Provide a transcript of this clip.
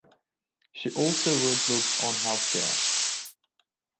She also wrote books on healthcare.